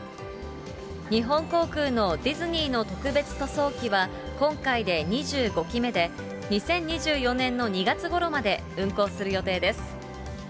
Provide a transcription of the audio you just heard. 日本航空のディズニーの特別塗装機は、今回で２５機目で、２０２４年の２月ごろまで運航する予定です。